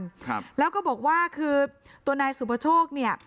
ครับแล้วก็บอกว่าคือตัวนายสุประโชคเนี่ย